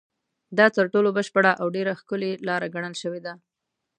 دا تر ټولو بشپړه او ډېره ښکلې لاره ګڼل شوې ده.